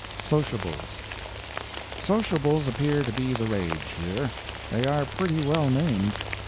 SOCIABLES Sociables appear to be the rage here. They are pretty well named.